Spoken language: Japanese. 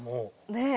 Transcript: ねえ。